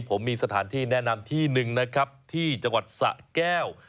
ผมมีสถานที่แนะนำที่หนึ่งนะครับที่จังหวัดสะแก้ว